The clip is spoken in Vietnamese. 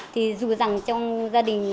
thì dù rằng trong gia đình